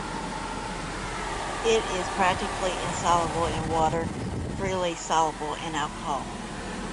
It is practically insoluble in water, freely soluble in alcohol.